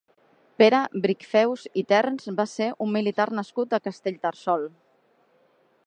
Pere Bricfeus i Terns va ser un militar nascut a Castellterçol.